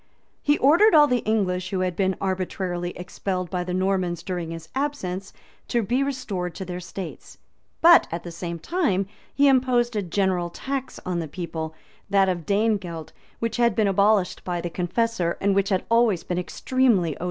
He ordered all the English who had been arbitrarily expelled by the Normans during his absence, to be restored to their estates;[*] but at the same time he imposed a general tax on the people, that of danegelt, which had been abolished by the Confessor, and which had always been extremely odious to the nation.